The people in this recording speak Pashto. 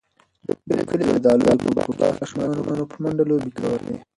د کلي د زردالیو په باغ کې ماشومانو په منډو لوبې کولې.